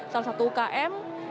salah satu umkm